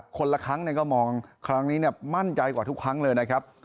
คนละครั้งก็มองครั้งนี้มั่นใจกว่าทุกครั้งเลยนะครับ